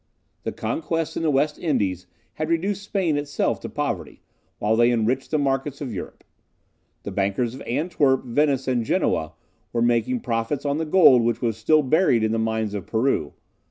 The conquests in the West Indies had reduced Spain itself to poverty, while they enriched the markets of Europe; the bankers of Antwerp, Venice, and Genoa, were making profit on the gold which was still buried in the mines of Peru.